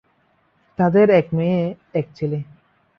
তাঁদের এক মেয়ে, এক ছেলে।